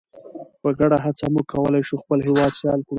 په ګډه هڅه موږ کولی شو خپل هیواد سیال کړو.